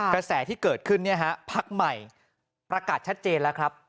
กระแสที่เกิดขึ้นพักใหม่ประกาศชัดเจนแล้วครับ